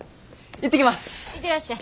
行ってらっしゃい。